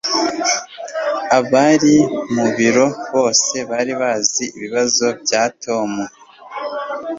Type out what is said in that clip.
Abari mu biro bose bari bazi ibibazo bya Tom